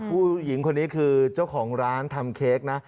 ผู้หญิงคนนี้คือเจ้าของร้านทำเค้กนะ